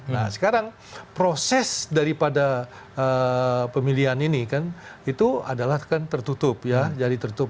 nah sekarang proses daripada pemilihan ini kan itu adalah kan tertutup ya jadi tertutup